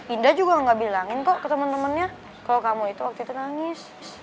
indah juga gak bilangin kok ke temen temennya kalau kamu itu waktu itu nangis